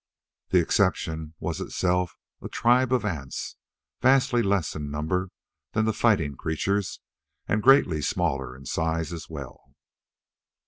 That exception was itself a tribe of ants, vastly less in number than the fighting creatures, and greatly smaller in size as well.